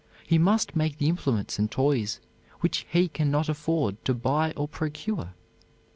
He must make the implements and toys which he can not afford to buy or procure.